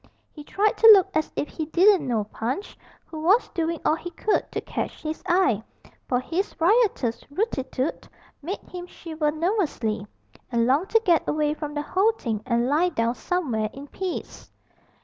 He tried to look as if he didn't know Punch, who was doing all he could to catch his eye, for his riotous 'rootitoot' made him shiver nervously, and long to get away from the whole thing and lie down somewhere in peace.